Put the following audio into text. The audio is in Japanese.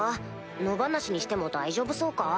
野放しにしても大丈夫そうか？